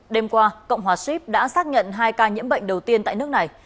đêm qua cộng hòa ship đã xác nhận hai ca nhiễm bệnh đầu tiên tại nước này